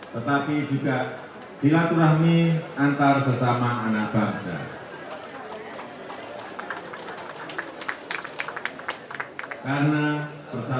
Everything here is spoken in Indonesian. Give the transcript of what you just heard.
tetapi juga silaturahmi antar sesama anak bangsa